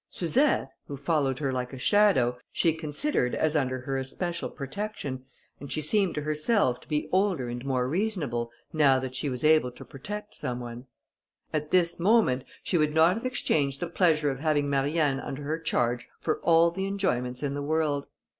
Suzette, who followed her like her shadow, she considered as under her especial protection, and she seemed to herself to be older and more reasonable, now that she was able to protect some one. At this moment, she would not have exchanged the pleasure of having Marianne under her charge for all the enjoyments in the world.